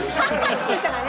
靴下がね。